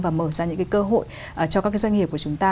và mở ra những cái cơ hội cho các cái doanh nghiệp của chúng ta